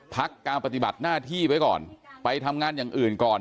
พักการปฏิบัติหน้าที่ไว้ก่อนไปทำงานอย่างอื่นก่อน